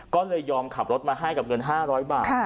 ก็เลยยอมขับรถมาให้กับเงิน๕๐๐บาท